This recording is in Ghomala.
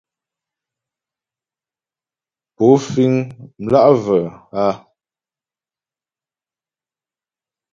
Pó fíŋ mlǎ'və a ?